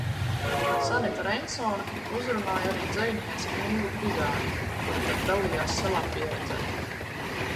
Sanita Reinsone uzrunāja arī dzejnieci Ingu Pizāni, kura tad dalījās savā pieredzē.